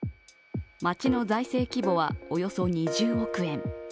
町の財政規模は、およそ２０億円。